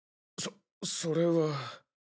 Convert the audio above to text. そそれは。